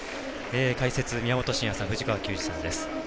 解説、宮本慎也さん藤川球児さんです。